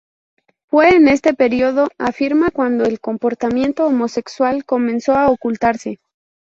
Fue en este periodo, afirma, cuando el comportamiento homosexual comenzó a ocultarse.